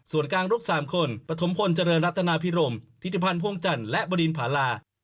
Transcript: ส่วนกลางลุก๓คนปฐมพลเจริญรัตนาพิรมธิติพันธ์พ่วงจันทร์และบรินภารา